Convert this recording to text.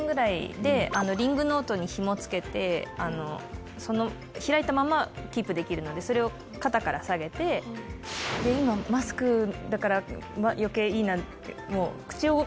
リングノートにひも付けて開いたままをキープできるのでそれを肩から下げて今マスクだから余計いいなって。